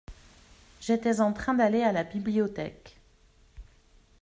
J’étais en train d’aller à la bibliothèque.